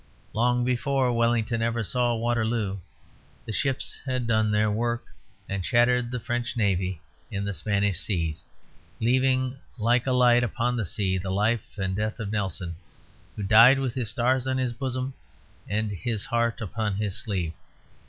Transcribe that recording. Long before Wellington ever saw Waterloo the ships had done their work, and shattered the French navy in the Spanish seas, leaving like a light upon the sea the life and death of Nelson, who died with his stars on his bosom and his heart upon his sleeve.